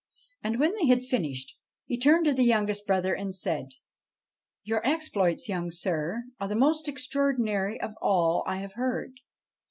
And, when they had finished, he turned to the youngest brother and said :' Your exploits, young sir, are the most extra ordinary of all I have heard.